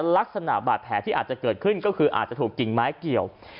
ลักษณะบาดแผลที่อาจจะเกิดขึ้นก็คืออาจจะถูกกิ่งไม้เกี่ยว